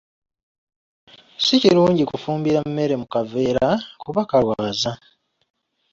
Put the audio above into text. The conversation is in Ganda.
Si kirungi kufumbira mmere mu kaveera kuba kalwaza.